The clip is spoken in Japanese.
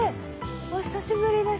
お久しぶりです。